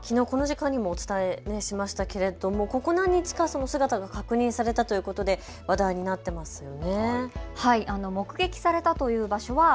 きのう、この時間にもお伝えしましたけれどもここ何日かその姿が確認されたということで話題になってますよね。